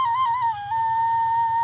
sampelung buah tangan